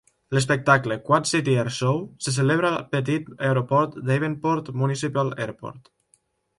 L'espectacle Quad City Air Show se celebra al petit aeroport Davenport Municipal Airport.